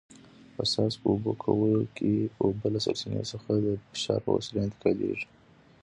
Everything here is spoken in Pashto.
په څاڅکو اوبه کولو کې اوبه له سرچینې څخه د فشار په وسیله انتقالېږي.